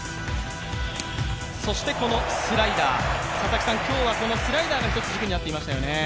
そしてこのスライダー、今日はこのスライダーが１つ軸になっていましたよね。